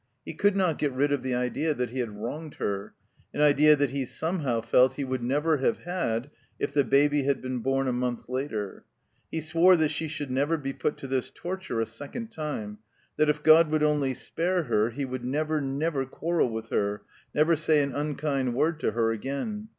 He could not get rid of the idea that he had wronged her; an idea that he somehow felt he would never have had if the baby had been bom a month later. He swore that she should never be put to this torture a second time; that if God would only spare her he would never, never quarrd with her, never say an tmkind word to her again.